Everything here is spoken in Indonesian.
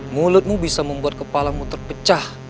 mulutmu bisa membuat kepalamu terpecah